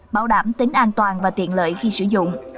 bảo đảm tính an toàn và tiện lợi khi sử dụng